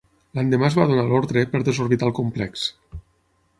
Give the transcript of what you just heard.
L'endemà es va donar l'ordre per desorbitar el complex.